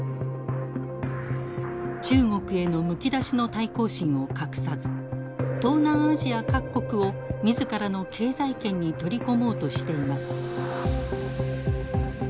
中国へのむき出しの対抗心を隠さず東南アジア各国を自らの経済圏に取り込もうとしています。